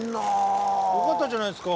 よかったじゃないですか。